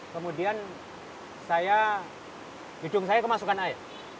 kemudian hidung saya kemasukan air